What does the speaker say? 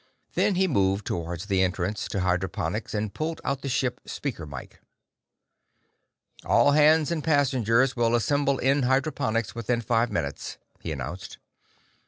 Then he moved toward the entrance to hydroponics and pulled out the ship speaker mike. "All hands and passengers will assemble in hydroponics within five minutes," he announced.